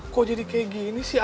kok jadi kayak gini sih